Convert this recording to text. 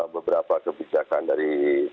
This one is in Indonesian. beberapa kebijakan dari